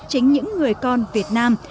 chính những người con việt nam